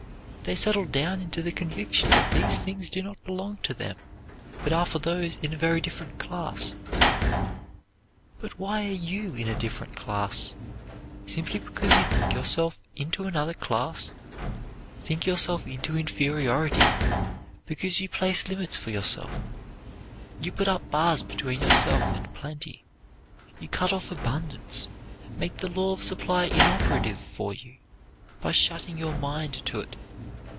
They settle down into the conviction that these things do not belong to them, but are for those in a very different class. But why are you in a different class? Simply because you think yourself into another class; think yourself into inferiority; because you place limits for yourself. You put up bars between yourself and plenty. You cut off abundance, make the law of supply inoperative for you, by shutting your mind to it.